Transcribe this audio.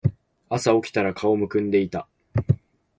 朝起きたら顔浮腫んでいた